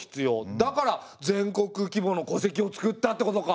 だから全国規模の戸籍をつくったってことか。